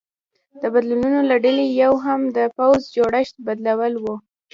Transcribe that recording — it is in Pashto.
د بدلونونو له ډلې یو هم د پوځ جوړښت بدلول و